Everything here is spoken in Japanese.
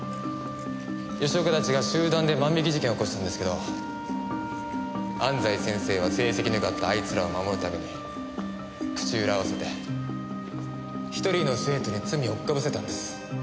吉岡たちが集団で万引き事件を起こしたんですけど安西先生は成績のよかったあいつらを守るために口裏を合わせて１人の生徒に罪をおっ被せたんです。